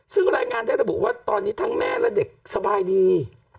ซึ่งรายงานได้ระบุว่าตอนนี้ทั้งแม่และเด็กสบายดี